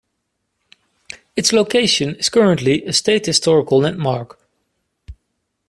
Its location is currently a state historical landmark.